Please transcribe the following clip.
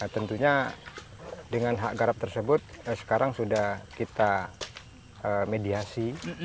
tentunya dengan hak garap tersebut sekarang sudah kita mediasi